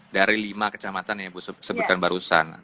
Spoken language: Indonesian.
dari lima kecamatan yang ibu sebutkan barusan